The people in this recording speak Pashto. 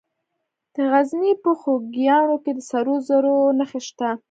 د غزني په خوږیاڼو کې د سرو زرو نښې شته.